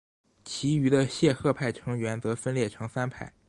其余的谢赫派成员则分裂成三派。